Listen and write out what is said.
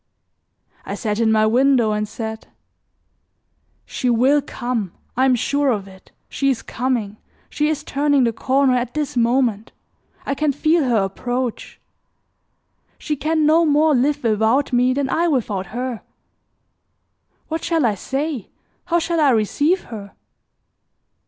I sat in my window and said: "She will come, I am sure of it, she is coming, she is turning the corner at this moment, I can feel her approach. She can no more live without me than I without her. What shall I say? How shall I receive her?"